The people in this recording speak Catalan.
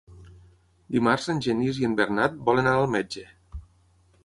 Dimarts en Genís i en Bernat volen anar al metge.